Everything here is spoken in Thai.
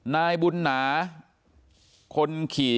นายบุญหนาคนขี่